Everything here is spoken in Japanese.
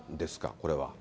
これは。